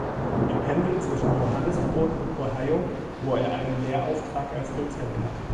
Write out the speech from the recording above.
Er pendelt zwischen Johannesburg und Ohio, wo er einen Lehrauftrag als Dozent hat.